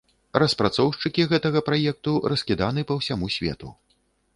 Распрацоўшчыкі гэтага праекту раскіданы па ўсяму свету.